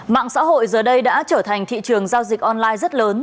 mạng xã hội giờ đây đã trở thành thị trường giao dịch online rất lớn